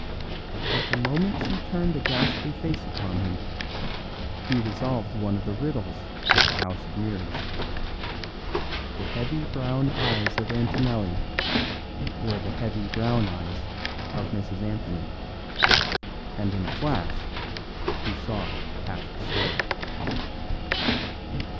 But the moment she turned a ghastly face upon him, he resolved one of the riddles of the house of mirrors. The heavy brown eyes of Antonelli were the heavy brown eyes of Mrs. Anthony; and in a flash he saw half the story.